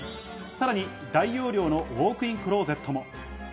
さらに大容量のウオークインクロゼットも。